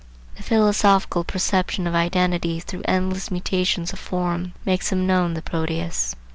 The philosophical perception of identity through endless mutations of form makes him know the Proteus.